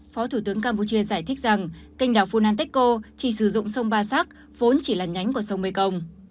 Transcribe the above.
phó thủ tướng campuchia giải thích rằng kênh đảo phunanteco chỉ sử dụng sông ba sắc vốn chỉ là nhánh của sông mekong